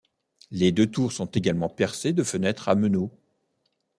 Les deux tours sont également percées de fenêtres à meneaux.